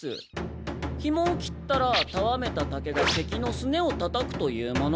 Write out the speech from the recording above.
ひもを切ったらたわめた竹が敵のすねをたたくというものです。